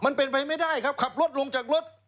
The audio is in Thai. มันเป็นไปไม่ได้ครับขับรถลงจากรถ